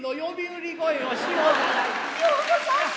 ようござんす。